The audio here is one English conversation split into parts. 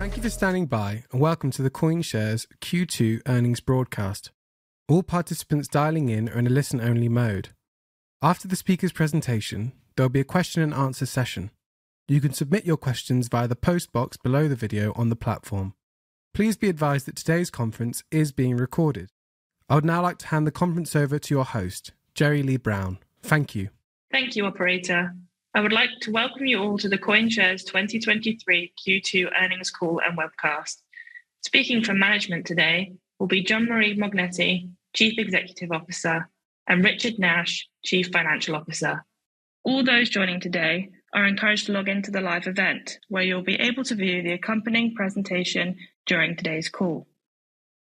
Thank you for standing by, and welcome to the CoinShares Q2 earnings broadcast. All participants dialing in are in a listen-only mode. After the speaker's presentation, there'll be a question and answer session. You can submit your questions via the post box below the video on the platform. Please be advised that today's conference is being recorded. I would now like to hand the conference over to your host, Jeri-Lea Brown. Thank you. Thank you, operator. I would like to welcome you all to the CoinShares 2023 Q2 earnings call and webcast. Speaking from management today will be Jean-Marie Mognetti, Chief Executive Officer, and Richard Nash, Chief Financial Officer. All those joining today are encouraged to log into the live event, where you'll be able to view the accompanying presentation during today's call.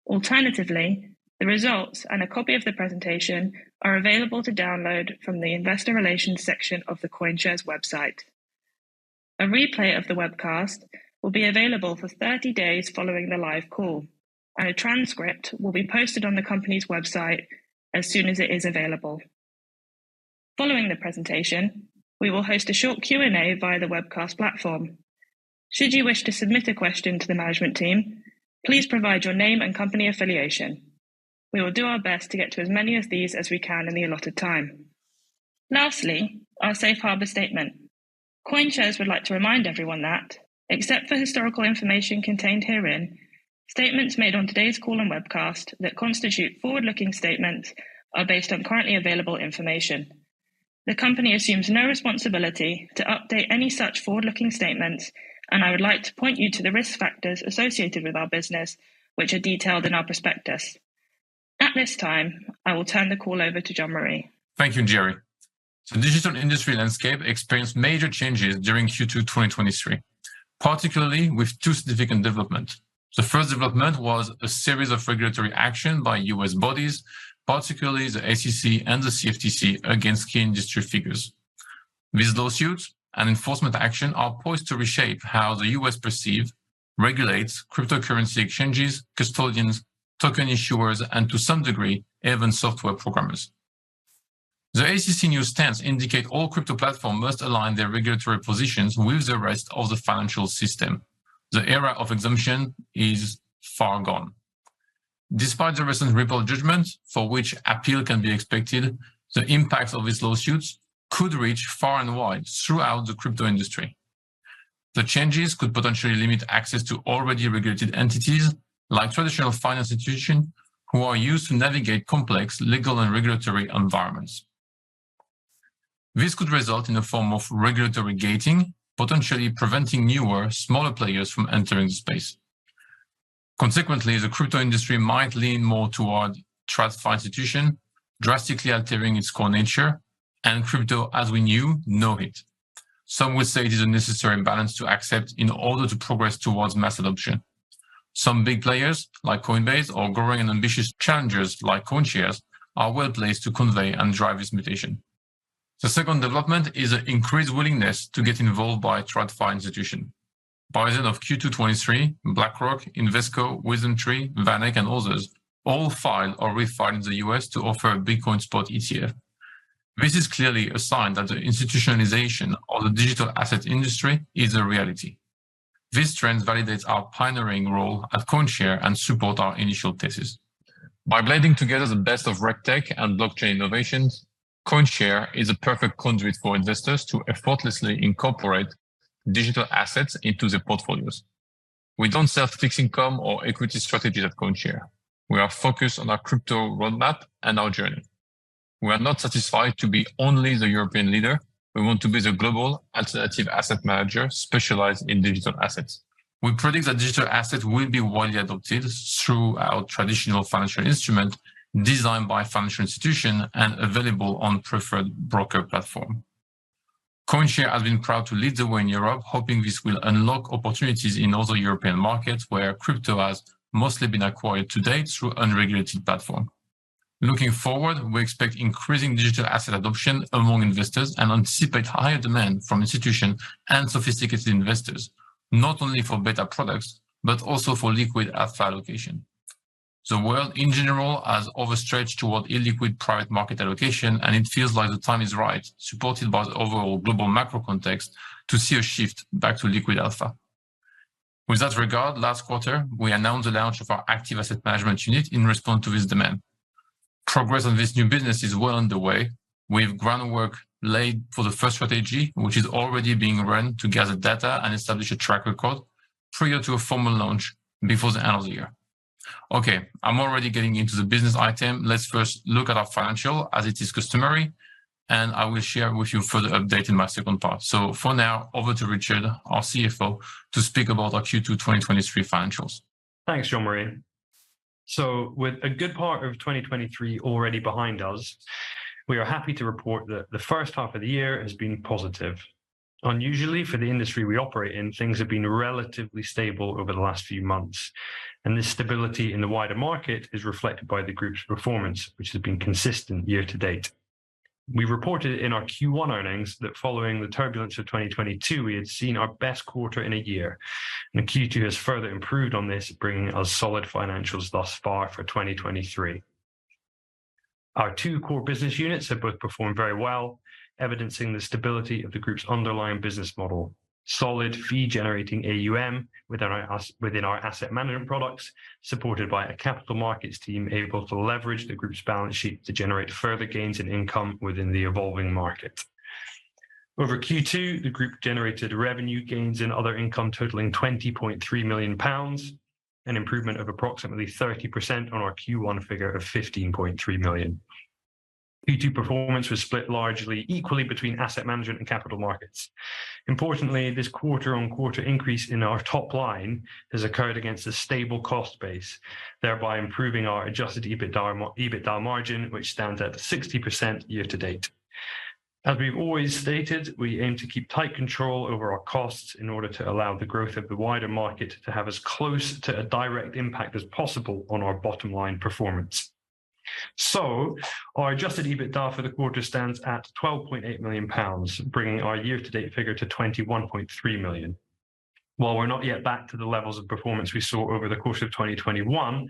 Alternatively, the results and a copy of the presentation are available to download from the Investor Relations section of the CoinShares website. A replay of the webcast will be available for 30 days following the live call, and a transcript will be posted on the company's website as soon as it is available. Following the presentation, we will host a short Q&A via the webcast platform. Should you wish to submit a question to the management team, please provide your name and company affiliation. We will do our best to get to as many of these as we can in the allotted time. Lastly, our safe harbor statement. CoinShares would like to remind everyone that, except for historical information contained herein, statements made on today's call and webcast that constitute forward-looking statements are based on currently available information. The company assumes no responsibility to update any such forward-looking statements, I would like to point you to the risk factors associated with our business, which are detailed in our prospectus. At this time, I will turn the call over to Jean-Marie. Thank you, Jeri. The digital industry landscape experienced major changes during Q2, 2023, particularly with 2 significant developments. The 1st development was a series of regulatory action by U.S. bodies, particularly the SEC and the CFTC, against key industry figures. These lawsuits and enforcement action are poised to reshape how the U.S. perceive, regulates cryptocurrency exchanges, custodians, token issuers, and to some degree, even software programmers. The SEC new stance indicate all crypto platform must align their regulatory positions with the rest of the financial system. The era of exemption is far gone. Despite the recent Ripple judgment, for which appeal can be expected, the impact of these lawsuits could reach far and wide throughout the crypto industry. The changes could potentially limit access to already regulated entities, like traditional financial institutions, who are used to navigate complex legal and regulatory environments. This could result in a form of regulatory gating, potentially preventing newer, smaller players from entering the space. Consequently, the crypto industry might lean more toward TradFi institution, drastically altering its core nature and crypto as we knew, know it. Some would say it is a necessary imbalance to accept in order to progress towards mass adoption. Some big players, like Coinbase or growing and ambitious challengers like CoinShares, are well placed to convey and drive this mutation. The second development is an increased willingness to get involved by TradFi institution. By the end of Q2 2023, BlackRock, Invesco, WisdomTree, VanEck, and others all filed or refiled in the US to offer a Bitcoin spot ETF. This is clearly a sign that the institutionalization of the digital asset industry is a reality. This trend validates our pioneering role at CoinShares and support our initial thesis. By blending together the best of RegTech and blockchain innovations, CoinShares is a perfect conduit for investors to effortlessly incorporate digital assets into their portfolios. We don't sell fixed income or equity strategies at CoinShares. We are focused on our crypto roadmap and our journey. We are not satisfied to be only the European leader. We want to be the global alternative asset manager specialized in digital assets. We predict that digital assets will be widely adopted through our traditional financial instrument, designed by financial institution and available on preferred broker platform. CoinShares has been proud to lead the way in Europe, hoping this will unlock opportunities in other European markets where crypto has mostly been acquired to date through unregulated platform. Looking forward, we expect increasing digital asset adoption among investors and anticipate higher demand from institutions and sophisticated investors, not only for better products, but also for liquid alpha allocation. The world in general has overstretched toward illiquid private market allocation, and it feels like the time is right, supported by the overall global macro context, to see a shift back to liquid alpha. With that regard, last quarter, we announced the launch of our active asset management unit in response to this demand. Progress on this new business is well underway, with groundwork laid for the first strategy, which is already being run to gather data and establish a track record prior to a formal launch before the end of the year. Okay, I'm already getting into the business item. Let's first look at our financial as it is customary, and I will share with you further update in my second part. For now, over to Richard, our CFO, to speak about our Q2 2023 financials. Thanks, Jean-Marie. With a good part of 2023 already behind us, we are happy to report that the first half of the year has been positive. Unusually for the industry we operate in, things have been relatively stable over the last few months, and this stability in the wider market is reflected by the Group's performance, which has been consistent year to date. We reported in our Q1 earnings that following the turbulence of 2022, we had seen our best quarter in a year, and Q2 has further improved on this, bringing us solid financials thus far for 2023. Our two core business units have both performed very well, evidencing the stability of the group's underlying business model. Solid fee-generating AUM within our within our asset management products, supported by a capital markets team able to leverage the group's balance sheet to generate further gains in income within the evolving market. Over Q2, the group generated revenue gains and other income totaling 20.3 million pounds, an improvement of approximately 30% on our Q1 figure of 15.3 million GBP. Q2 performance was split largely equally between asset management and capital markets. Importantly, this quarter-on-quarter increase in our top line has occurred against a stable cost base, thereby improving our adjusted EBITDA, EBITDA margin, which stands at 60% year to date. As we've always stated, we aim to keep tight control over our costs in order to allow the growth of the wider market to have as close to a direct impact as possible on our bottom line performance. Our adjusted EBITDA for the quarter stands at 12.8 million pounds, bringing our year-to-date figure to 21.3 million. While we're not yet back to the levels of performance we saw over the course of 2021,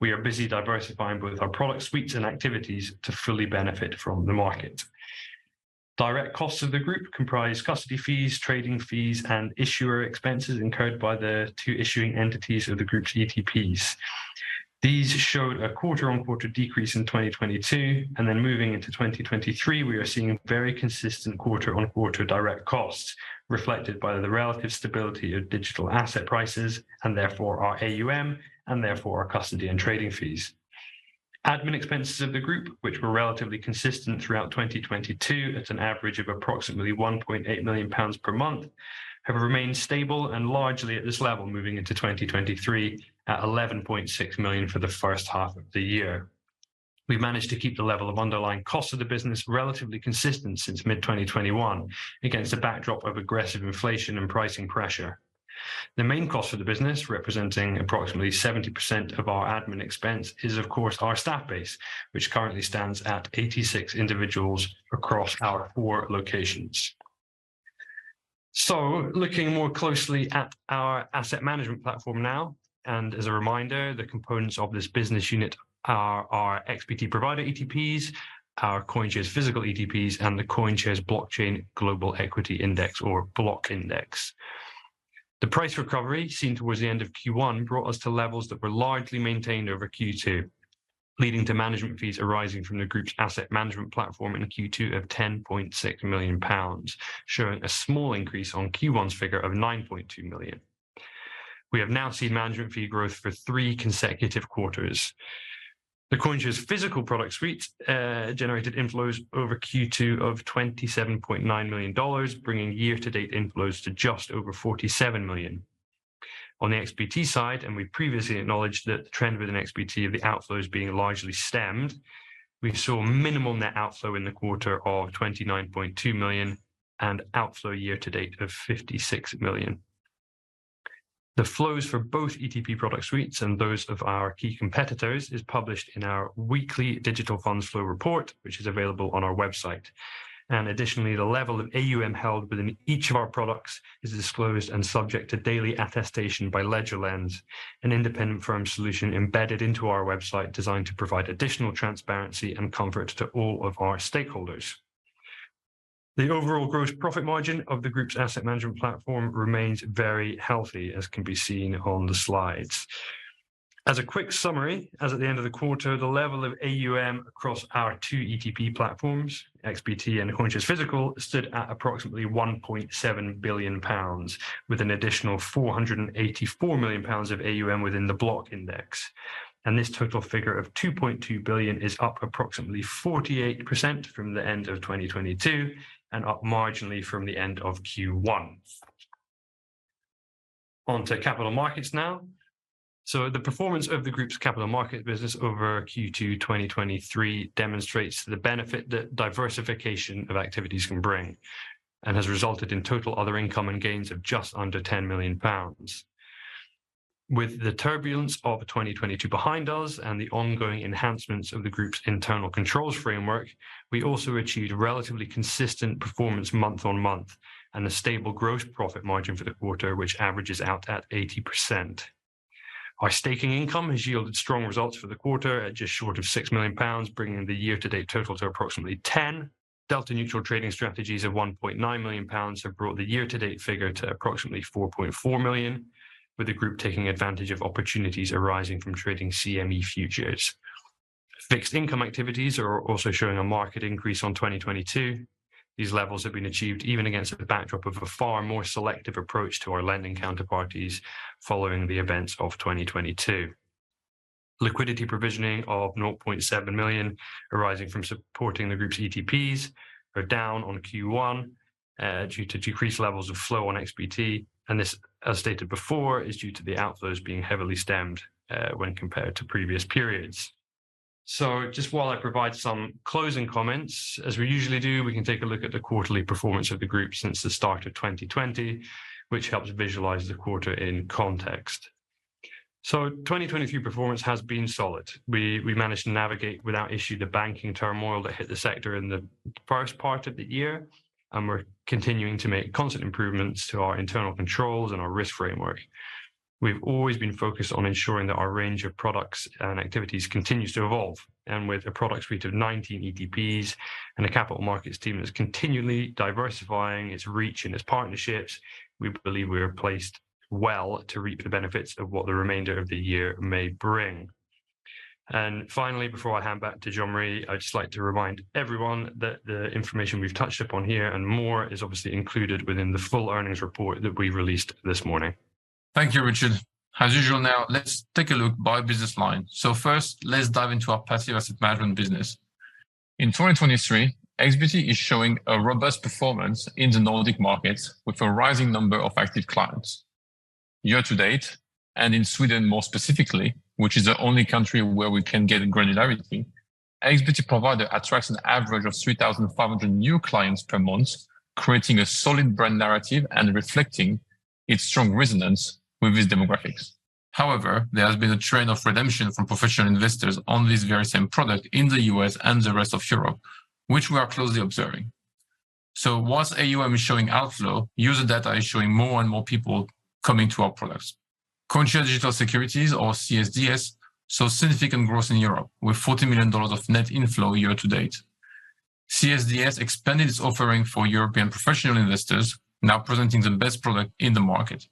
we are busy diversifying both our product suites and activities to fully benefit from the market. Direct costs of the group comprise custody fees, trading fees, and issuer expenses incurred by the two issuing entities of the group's ETPs. These showed a quarter-on-quarter decrease in 2022. Moving into 2023, we are seeing very consistent quarter-on-quarter direct costs, reflected by the relative stability of digital asset prices and therefore our AUM, and therefore our custody and trading fees. Admin expenses of the group, which were relatively consistent throughout 2022, at an average of approximately 1.8 million pounds per month, have remained stable and largely at this level, moving into 2023 at 11.6 million for the first half of the year. We've managed to keep the level of underlying costs of the business relatively consistent since mid-2021, against a backdrop of aggressive inflation and pricing pressure. The main cost for the business, representing approximately 70% of our admin expense, is, of course, our staff base, which currently stands at 86 individuals across our four locations. Looking more closely at our asset management platform now, and as a reminder, the components of this business unit are our XBT Provider ETPs, our CoinShares Physical ETPs, and the CoinShares Blockchain Global Equity Index or BLOCK Index. The price recovery seen towards the end of Q1 brought us to levels that were largely maintained over Q2, leading to management fees arising from the group's asset management platform in Q2 of 10.6 million pounds, showing a small increase on Q1's figure of 9.2 million GBP. We have now seen management fee growth for three consecutive quarters. The CoinShares Physical product suites generated inflows over Q2 of $27.9 million, bringing year-to-date inflows to just over $47 million. On the XBT side, we've previously acknowledged that the trend within XBT of the outflows being largely stemmed, we saw minimal net outflow in the quarter of 29.2 million and outflow year to date of 56 million. The flows for both ETP product suites and those of our key competitors is published in our weekly Digital Funds Flow Report, which is available on our website. Additionally, the level of AUM held within each of our products is disclosed and subject to daily attestation by LedgerLens, an independent firm solution embedded into our website, designed to provide additional transparency and comfort to all of our stakeholders. The overall gross profit margin of the group's asset management platform remains very healthy, as can be seen on the slides. As a quick summary, as at the end of the quarter, the level of AUM across our two ETP platforms, XBT and CoinShares Physical, stood at approximately 1.7 billion pounds, with an additional 484 million pounds of AUM within the BLOCK Index. This total figure of 2.2 billion is up approximately 48% from the end of 2022 and up marginally from the end of Q1. Onto capital markets now. The performance of the group's capital market business over Q2 2023 demonstrates the benefit that diversification of activities can bring and has resulted in total other income and gains of just under 10 million pounds. With the turbulence of 2022 behind us and the ongoing enhancements of the group's internal controls framework, we also achieved a relatively consistent performance month-on-month and a stable gross profit margin for the quarter, which averages out at 80%. Our staking income has yielded strong results for the quarter at just short of 6 million pounds, bringing the year-to-date total to approximately 10 million. delta neutral trading strategies of 1.9 million pounds have brought the year-to-date figure to approximately 4.4 million, with the group taking advantage of opportunities arising from trading CME futures. Fixed income activities are also showing a market increase on 2022. These levels have been achieved even against the backdrop of a far more selective approach to our lending counterparties following the events of 2022. Liquidity provisioning of 0.7 million, arising from supporting the group's ETPs, are down on Q1, due to decreased levels of flow on XBT. This, as stated before, is due to the outflows being heavily stemmed when compared to previous periods. Just while I provide some closing comments, as we usually do, we can take a look at the quarterly performance of the group since the start of 2020, which helps visualize the quarter in context. 2023 performance has been solid. We managed to navigate without issue the banking turmoil that hit the sector in the first part of the year. We're continuing to make constant improvements to our internal controls and our risk framework.... We've always been focused on ensuring that our range of products and activities continues to evolve, with a product suite of 19 ETPs and a capital markets team that's continually diversifying its reach and its partnerships, we believe we are placed well to reap the benefits of what the remainder of the year may bring. Finally, before I hand back to Jean-Marie, I'd just like to remind everyone that the information we've touched upon here and more is obviously included within the full earnings report that we released this morning. Thank you, Richard. As usual now, let's take a look by business line. First, let's dive into our passive asset management business. In 2023, XBT is showing a robust performance in the Nordics, with a rising number of active clients. Year to date, and in Sweden more specifically, which is the only country where we can get granularity, XBT Provider attracts an average of 3,500 new clients per month, creating a solid brand narrative and reflecting its strong resonance with these demographics. However, there has been a trend of redemption from professional investors on this very same product in the U.S. and the rest of Europe, which we are closely observing. Whilst AUM is showing outflow, user data is showing more and more people coming to our products. CoinShares Digital Securities, or CSDS, saw significant growth in Europe, with $40 million of net inflow year to date. CSDS expanded its offering for European professional investors, now presenting the best product in the market.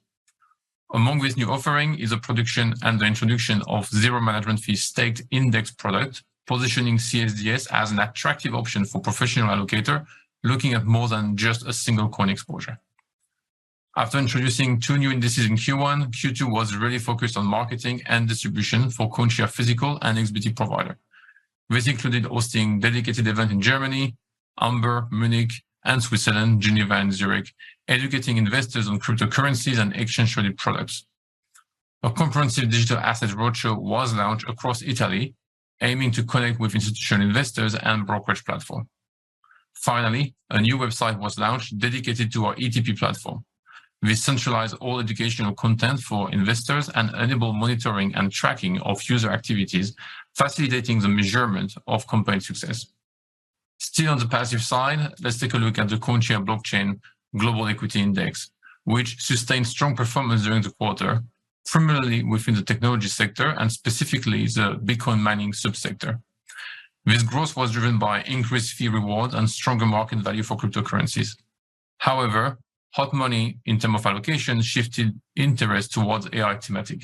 Among this new offering is a production and the introduction of zero management fee staked index product, positioning CSDS as an attractive option for professional allocator, looking at more than just a single coin exposure. After introducing 2 new indices in Q1, Q2 was really focused on marketing and distribution for CoinShares Physical and XBT Provider. This included hosting dedicated event in Germany, Amber, Munich, and Switzerland, Geneva, and Zurich, educating investors on cryptocurrencies and exchange-traded products. A comprehensive digital assets roadshow was launched across Italy, aiming to connect with institutional investors and brokerage platform. Finally, a new website was launched, dedicated to our ETP platform. We centralize all educational content for investors and enable monitoring and tracking of user activities, facilitating the measurement of campaign success. Still, on the passive side, let's take a look at the CoinShares Blockchain Global Equity Index, which sustained strong performance during the quarter, primarily within the technology sector and specifically the Bitcoin mining subsector. This growth was driven by increased fee reward and stronger market value for cryptocurrencies. Hot money in term of allocation shifted interest towards AI thematic.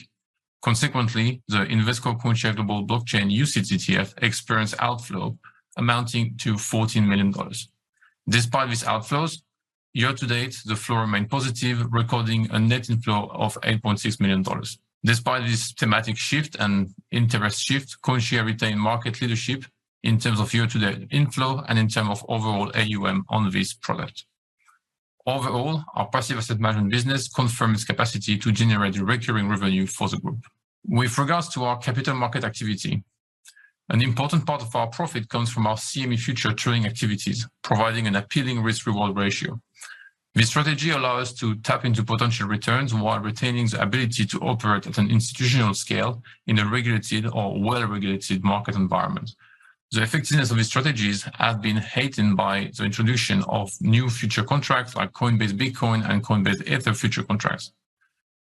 The Invesco CoinShares Blockchain UCITS ETF experienced outflow amounting to $14 million. Despite these outflows, year-to-date, the flow remained positive, recording a net inflow of $8.6 million. Despite this thematic shift and interest shift, CoinShares retained market leadership in terms of year-to-date inflow and in term of overall AUM on this product. Overall, our passive asset management business confirms its capacity to generate recurring revenue for the group. With regards to our capital market activity, an important part of our profit comes from our CME futures trading activities, providing an appealing risk/reward ratio. This strategy allow us to tap into potential returns while retaining the ability to operate at an institutional scale in a regulated or well-regulated market environment. The effectiveness of these strategies have been heightened by the introduction of new futures contracts like Coinbase Bitcoin and Coinbase Ether futures contracts.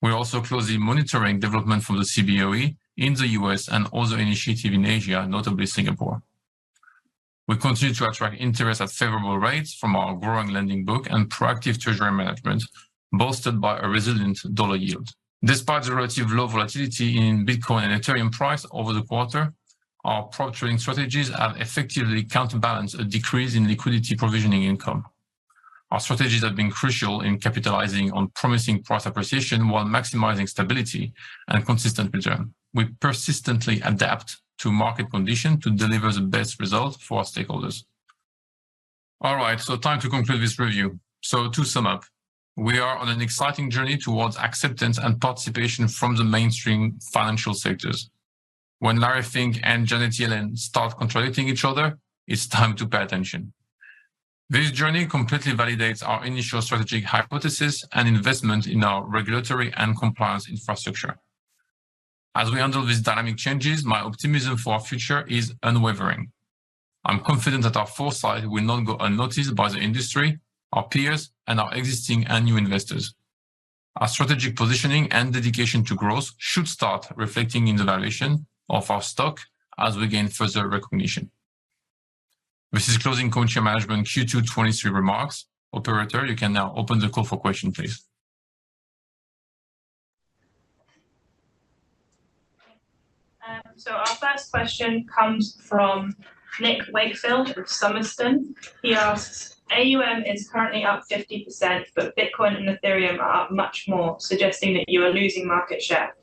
We're also closely monitoring development from the Cboe in the U.S. and other initiative in Asia, notably Singapore. We continue to attract interest at favorable rates from our growing lending book and proactive treasury management, boosted by a resilient dollar yield. Despite the relative low volatility in Bitcoin and Ethereum price over the quarter, our pro trading strategies have effectively counterbalanced a decrease in liquidity provisioning income. Our strategies have been crucial in capitalizing on promising price appreciation, while maximizing stability and consistent return. We persistently adapt to market condition to deliver the best result for our stakeholders. All right, time to conclude this review. To sum up, we are on an exciting journey towards acceptance and participation from the mainstream financial sectors. When Larry Fink and Janet Yellen start contradicting each other, it's time to pay attention. This journey completely validates our initial strategic hypothesis and investment in our regulatory and compliance infrastructure. As we handle these dynamic changes, my optimism for our future is unwavering. I'm confident that our foresight will not go unnoticed by the industry, our peers, and our existing and new investors. Our strategic positioning and dedication to growth should start reflecting in the valuation of our stock as we gain further recognition. This is closing CoinShares Management Q2 2023 remarks. Operator, you can now open the call for question, please. Our first question comes from Nick Wakefield of Somerston. He asks: AUM is currently up 50%, but Bitcoin and Ethereum are up much more, suggesting that you are losing market share.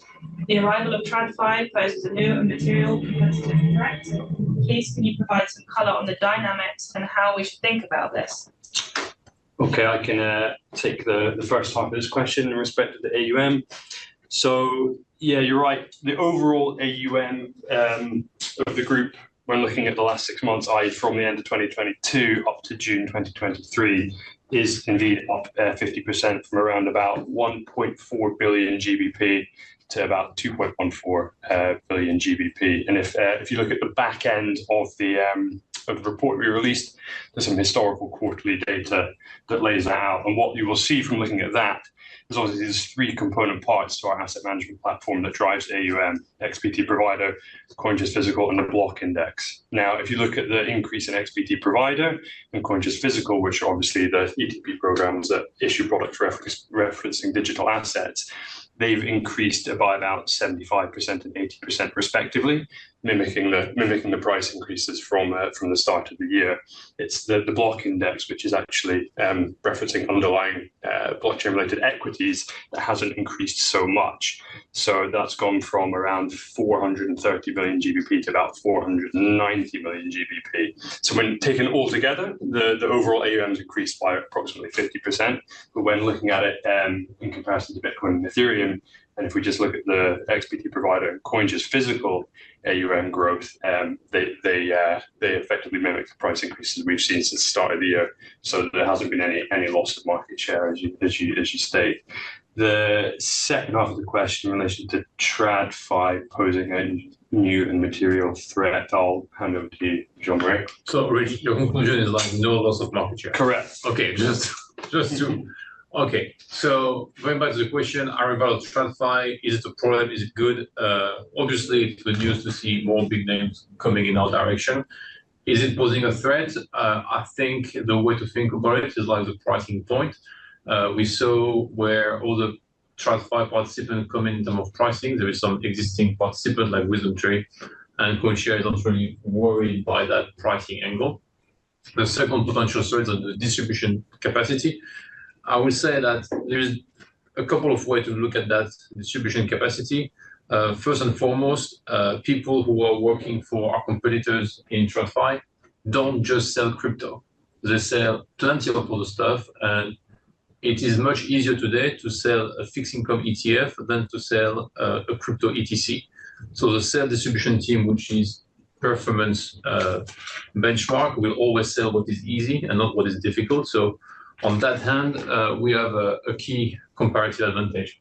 The arrival of TradFi poses a new and material competitive threat. Please, can you provide some color on the dynamics and how we should think about this? Okay, I can take the first half of this question in respect to the AUM. Yeah, you're right. The overall AUM of the group, when looking at the last six months, i.e., from the end of 2022 up to June 2023, is indeed up 50% from around about 1.4 billion GBP to about 2.14 billion GBP. If you look at the back end of the report we released, there's some historical quarterly data that lays it out. What you will see from looking at that is, obviously, there's three component parts to our asset management platform that drives AUM, XBT Provider, CoinShares Physical, and the Block Index. If you look at the increase in XBT Provider and CoinShares Physical, which are obviously the ETP programs that issue product referencing digital assets, they've increased by about 75% and 80% respectively, mimicking the price increases from the start of the year. It's the, the BLOCK Index, which is actually referencing underlying blockchain-related equities, that hasn't increased so much. That's gone from around 430 million GBP to about 490 million GBP. When taken all together, the, the overall AUMs increased by approximately 50%. When looking at it, in comparison to Bitcoin and Ethereum, and if we just look at the XBT Provider and CoinShares Physical AUM growth, they, they, they effectively mimic the price increases we've seen since the start of the year, so there hasn't been any, any loss of market share, as you, as you, as you state. The second half of the question in relation to TradFi posing any new and material threat, I'll hand over to you, Jean-Marie. Your conclusion is, like, no loss of market share? Correct. Going back to the question around TradFi, is it a problem? Is it good? Obviously, it's good news to see more big names coming in our direction. Is it posing a threat? I think the way to think about it is, like, the pricing point. We saw where all the TradFi participants come in term of pricing. There is some existing participant, like WisdomTree, and CoinShares is not really worried by that pricing angle. The second potential threat is on the distribution capacity. I would say that there is a couple of way to look at that distribution capacity. First and foremost, people who are working for our competitors in TradFi don't just sell crypto. They sell plenty of other stuff, and it is much easier today to sell a fixed-income ETF than to sell a crypto ETC. The sales distribution team, which is performance benchmark, will always sell what is easy and not what is difficult. On that hand, we have a key comparative advantage.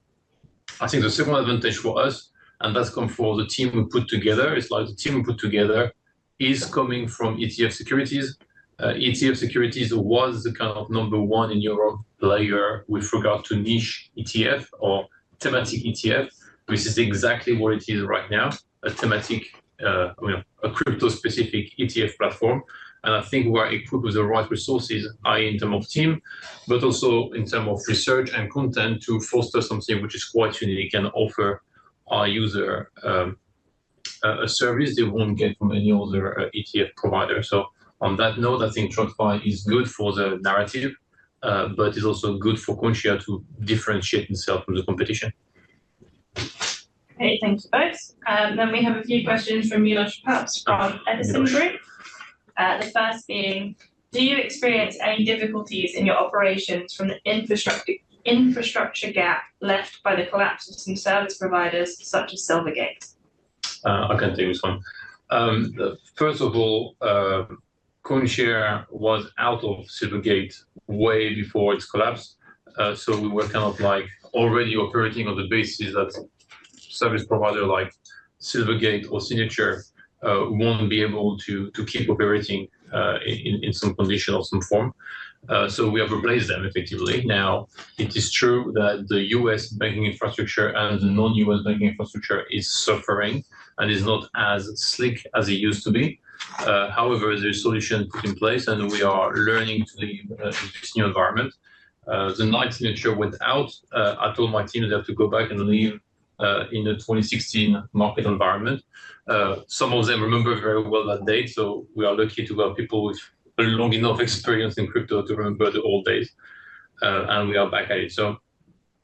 I think the second advantage for us, and that's come for the team we put together, is, like, the team we put together is coming from ETF Securities. ETF Securities was the kind of number one in Europe player with regard to niche ETF or thematic ETF, which is exactly what it is right now, a thematic, well, a crypto-specific ETF platform. I think we are equipped with the right resources, i.e., in term of team, but also in term of research and content, to foster something which is quite unique and offer our user a service they won't get from any other ETF provider. On that note, I think TradFi is good for the narrative, but is also good for CoinShares to differentiate themselves from the competition. Okay, thank you, folks. We have a few questions from Milosz Papst from Edison Group. The first being: do you experience any difficulties in your operations from the infrastructure gap left by the collapse of some service providers, such as Silvergate? I can take this one. First of all, CoinShares was out of Silvergate way before it collapsed. So we were kind of, like, already operating on the basis that service provider like Silvergate or Signature, won't be able to keep operating in some condition or some form. So we have replaced them effectively. Now, it is true that the U.S. banking infrastructure and the non-U.S. banking infrastructure is suffering and is not as slick as it used to be. However, there are solutions put in place, and we are learning to live in this new environment. The nice signature without, I told my team they have to go back and live in the 2016 market environment. Some of them remember very well that date, so we are lucky to have people with long enough experience in crypto to remember the old days, and we are back at it.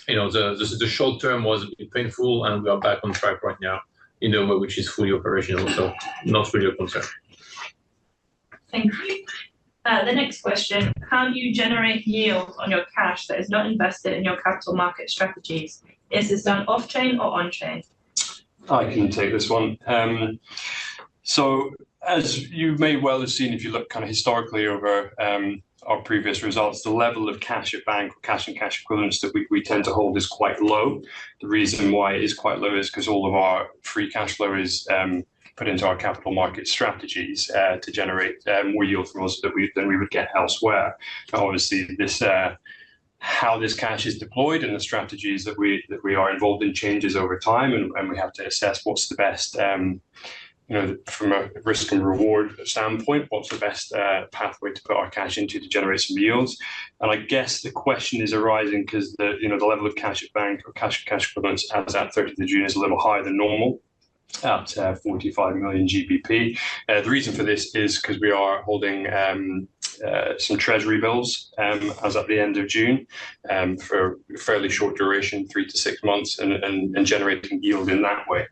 You know, the, the, the short term was painful, and we are back on track right now, in a way which is fully operational, so not for your concern. Thank you. The next question: How do you generate yields on your cash that is not invested in your capital market strategies? Is this done off-chain or on-chain? I can take this one. As you may well have seen, if you look kind of historically over our previous results, the level of cash at bank, or cash and cash equivalents, that we, we tend to hold is quite low. The reason why it is quite low is 'cause all of our free cash flow is put into our capital market strategies to generate more yield for us that we than we would get elsewhere. Obviously, this how this cash is deployed and the strategies that we, that we are involved in changes over time, and, and we have to assess what's the best, you know, from a risk and reward standpoint, what's the best pathway to put our cash into to generate some yields. I guess the question is arising 'cause the, you know, the level of cash at bank or cash and cash equivalents as at 30 of June is a little higher than normal, at 45 million GBP. The reason for this is 'cause we are holding some treasury bills as at the end of June for fairly short duration, 3-6 months, and, and, and generating yield in that way.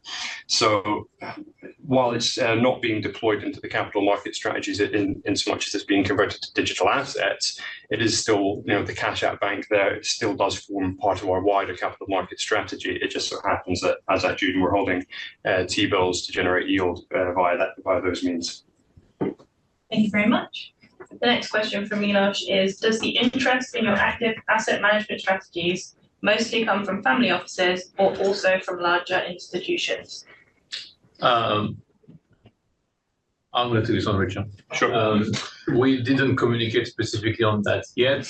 While it's not being deployed into the capital market strategies in, in so much as it's being converted to digital assets, it is still, you know, the cash out bank there, it still does form part of our wider capital market strategy. It just so happens that as at June, we're holding T-bills to generate yield via that, via those means. Thank you very much. The next question from Milosz is: Does the interest in your active asset management strategies mostly come from family offices or also from larger institutions? I'm gonna do this one, Richard. Sure. We didn't communicate specifically on that yet,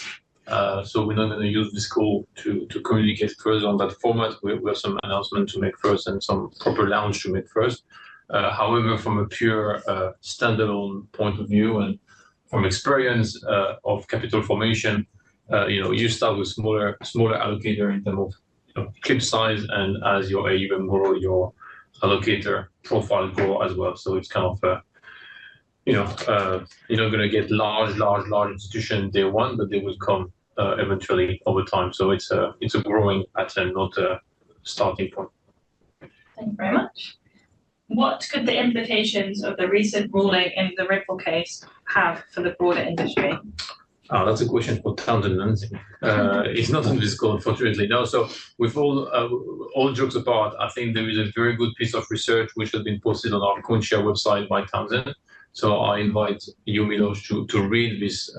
so we're not gonna use this call to communicate further on that format. We have some announcement to make first and some proper launch to make first. However, from a pure standalone point of view and from experience of capital formation, you know, you start with smaller, smaller allocator in terms of, you know, clip size, and as you even grow your allocator profile grow as well. So it's kind of, you know, you're not gonna get large, large, large institutions day 1, but they will come eventually over time. So it's a growing pattern, not a starting point. Thank you very much. What could the implications of the recent ruling in the Ripple case have for the broader industry? Oh, that's a question for Townsend. He's not on this call, unfortunately. No. With all jokes apart, I think there is a very good piece of research which has been posted on our CoinShares website by Townsend. I invite you, Milosz, to read this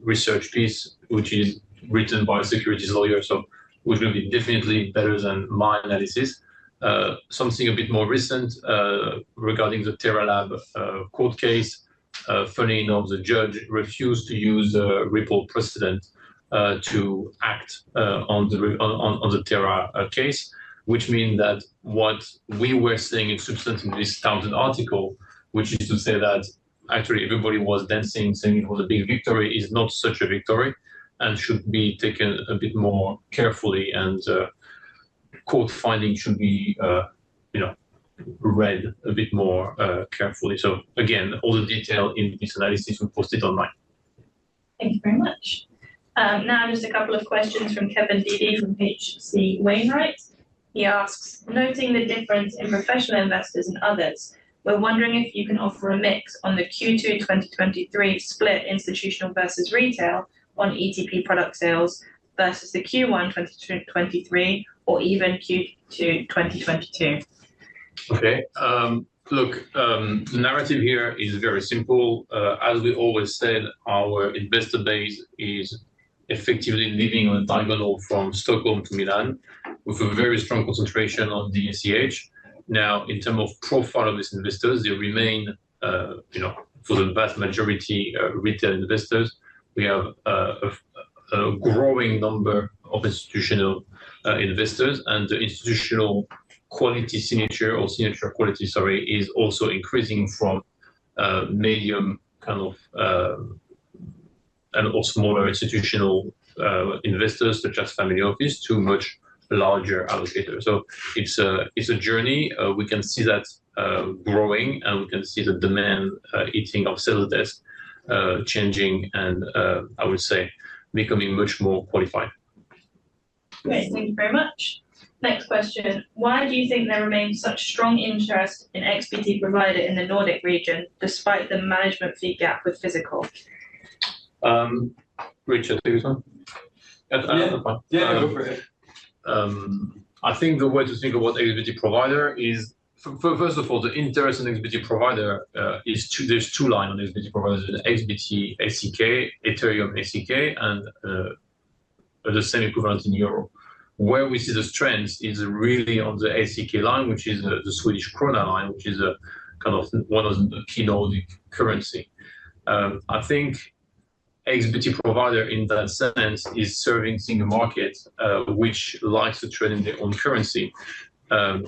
research piece, which is written by a securities lawyer, so which will be definitely better than my analysis. Something a bit more recent, regarding the Terraform Labs court case, funny enough, the judge refused to use a Ripple precedent to act on the Terra case, which mean that what we were saying in substantially in this Townsend article, which is to say that actually everybody was dancing, saying, oh, the big victory is not such a victory and should be taken a bit more carefully, and court finding should be, you know, read a bit more carefully. Again, all the detail in this analysis was posted online. Thank you very much. Now just a couple of questions from Kevin Dede, from H.C. Wainwright & Co. He asks: Noting the difference in professional investors and others, we're wondering if you can offer a mix on the Q2-2023 split, institutional versus retail, on ETP product sales versus the Q1-2022... 2023, or even Q2-2022. Okay. Look, the narrative here is very simple. As we always said, our investor base is effectively living on a diagonal from Stockholm to Milan, with a very strong concentration on the DACH. Now, in term of profile of these investors, they remain, you know, for the vast majority, retail investors. We have, a, a growing number of institutional, investors, and the institutional quality signature, or signature quality, sorry, is also increasing from a medium kind of, and or smaller institutional, investors, such as family offices, to much larger allocators. It's a, it's a journey. We can see that, growing, and we can see the demand, eating of sell desk, changing and, I would say becoming much more qualified. Great. Thank you very much. Next question: Why do you think there remains such strong interest in XBT Provider in the Nordic region, despite the management fee gap with physical? Richard, do you want? Yeah. I don't mind. Yeah, go for it. I think the way to think about XBT Provider is, first of all, the interest in XBT Provider is 2. There's 2 line on XBT Providers, XBT, SEK, Ethereum, SEK, and the same equivalents in Europe. Where we see the trends is really on the SEK line, which is the Swedish krona line, which is a kind of one of the key Nordic currency. I think XBT Provider, in that sense, is serving single market, which likes to trade in their own currency,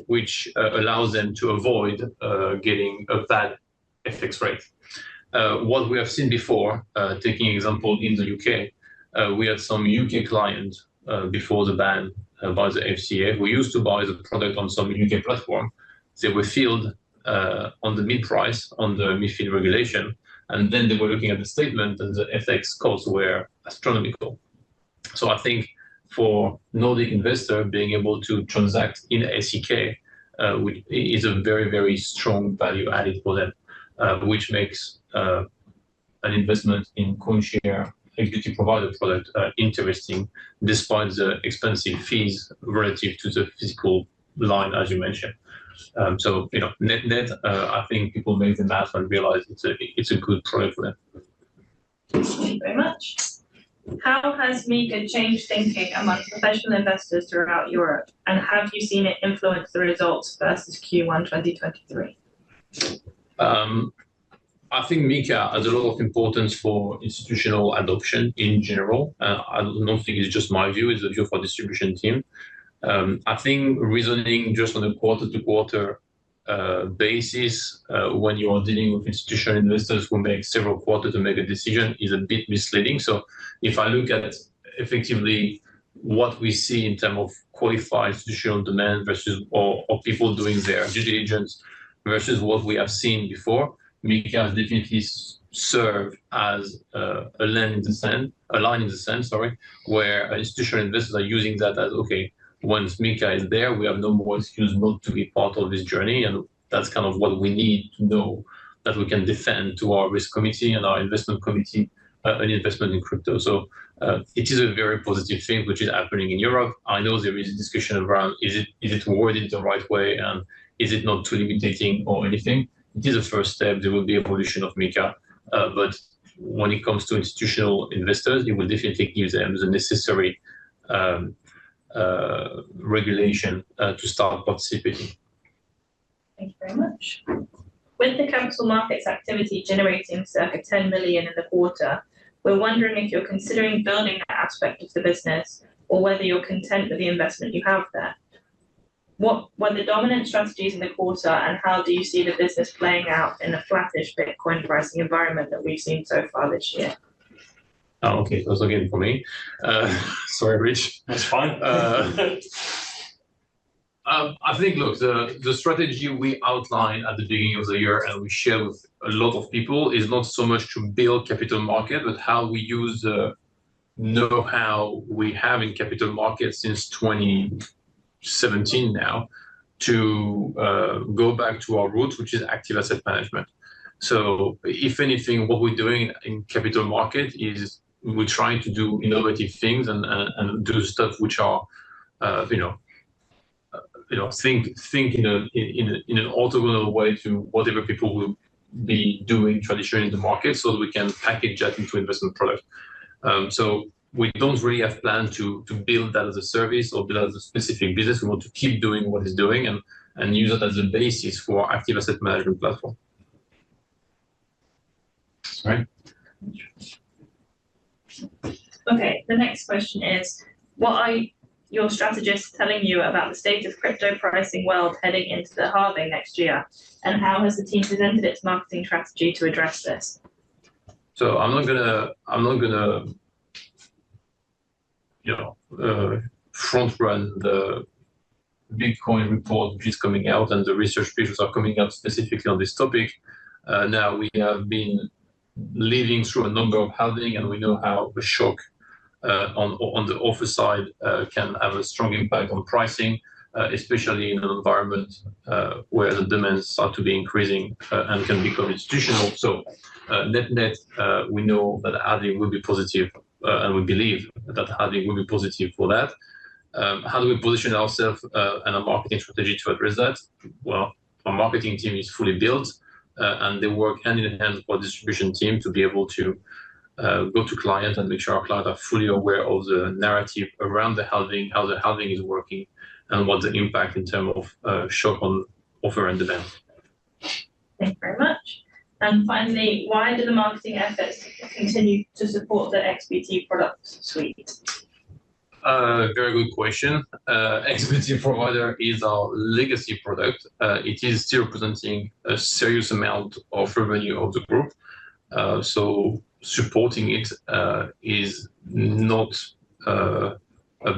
which allows them to avoid getting a bad FX rate. What we have seen before, taking example in the UK, we had some UK clients before the ban by the FCA. We used to buy the product on some UK platform. They were filled, on the mid-price, on the mid-field regulation, and then they were looking at the statement, and the FX costs were astronomical. I think for Nordic investor, being able to transact in SEK, is a very, very strong value added for them, which makes an investment in CoinShares XBT Provider product interesting, despite the expensive fees relative to the physical line, as you mentioned. You know, net, net, I think people make the math and realize it's a, it's a good product for them. Thank you very much. How has MiCA changed thinking among professional investors throughout Europe, and have you seen it influence the results versus Q1-2023? I think MiCA has a lot of importance for institutional adoption in general. I don't think it's just my view, it's the view for distribution team. I think reasoning just on a quarter-to-quarter basis, when you are dealing with institutional investors who make several quarters to make a decision is a bit misleading. If I look at effectively what we see in terms of qualified institutional demand versus, or, or people doing their due diligence, versus what we have seen before, MiCA has definitely served as a line in the sand, a line in the sand, sorry, where institutional investors are using that as, "Okay, once MiCA is there, we have no more excuse not to be part of this journey." That's kind of what we need to know, that we can defend to our risk committee and our investment committee, any investment in crypto. It is a very positive thing which is happening in Europe. I know there is a discussion around is it, is it worded the right way, and is it not too limiting or anything? It is a first step. There will be evolution of MiCA, but when it comes to institutional investors, it will definitely give them the necessary regulation to start participating. Thank you very much. With the council markets activity generating circa $10 million in the quarter, we're wondering if you're considering building that aspect of the business or whether you're content with the investment you have there. What were the dominant strategies in the quarter, and how do you see the business playing out in the flattish Bitcoin pricing environment that we've seen so far this year? Oh, okay. That's again for me? Sorry, Rich. That's fine. I think, look, the, the strategy we outlined at the beginning of the year, and we share with a lot of people, is not so much to build capital market, but how we use the know-how we have in capital markets since 2017 now, to go back to our roots, which is active asset management. If anything, what we're doing in capital market is we're trying to do innovative things and do stuff which are, you know, you know, think, think in a, in, in an orthogonal way to whatever people will be doing traditionally in the market, so that we can package that into investment product. We don't really have plans to, to build that as a service or build as a specific business. We want to keep doing what it's doing and use it as a basis for our active asset management platform. That's right. Okay. The next question is, what are your strategists telling you about the state of crypto pricing world heading into the halving next year, and how has the team presented its marketing strategy to address this? I'm not gonna, I'm not gonna, you know, front run the Bitcoin report, which is coming out, and the research papers are coming out specifically on this topic. Now, we have been living through a number of halving, and we know how a shock on, on the offer side can have a strong impact on pricing, especially in an environment where the demands start to be increasing and can become institutional. Net, net, we know that the halving will be positive, and we believe that the halving will be positive for that. How do we position ourself and our marketing strategy to address that? Well, our marketing team is fully built, and they work hand in hand with our distribution team to be able to go to client and make sure our client are fully aware of the narrative around the halving, how the halving is working, and what the impact in term of shock on offer and demand. Thank you very much. Finally, why do the marketing efforts continue to support the XBT product suite? Very good question. XBT Provider is our legacy product. It is still presenting a serious amount of revenue of the group, so supporting it is not a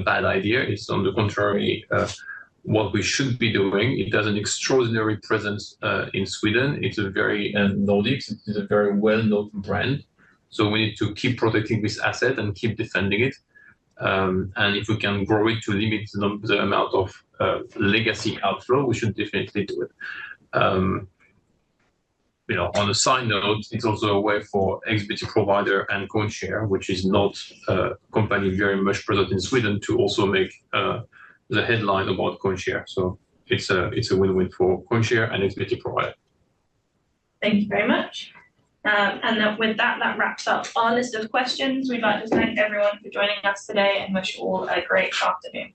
bad idea. It's on the contrary, what we should be doing. It has an extraordinary presence in Sweden. It's a very, Nordics, it is a very well-known brand, so we need to keep protecting this asset and keep defending it. And if we can grow it to limit the, the amount of legacy outflow, we should definitely do it. You know, on a side note, it's also a way for XBT Provider and CoinShares, which is not a company very much present in Sweden, to also make the headline about CoinShares. It's a, it's a win-win for CoinShares and XBT Provider. Thank you very much. With that, that wraps up our list of questions. We'd like to thank everyone for joining us today and wish you all a great afternoon.